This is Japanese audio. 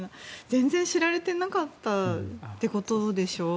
全然知られていなかったってことでしょ？